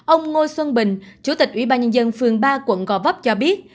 ông ngô xuân bình chủ tịch ủy ban nhân dân phường ba quận gò vấp cho biết